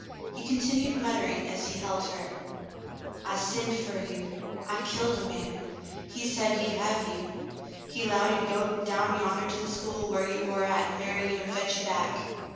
He continued muttering as he held her: *'I sinned fer you. I killed a man. He said he'd hev you. He 'lowed he'd go down yander to the school whar you war at an' marry you an' fetch you back.